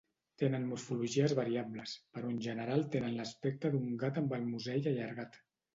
Tenen morfologies variables, però en general tenen l'aspecte d'un gat amb el musell allargat.